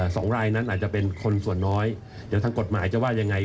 สองรายนั้นอาจจะเป็นคนส่วนน้อยเดี๋ยวทางกฎหมายจะว่ายังไง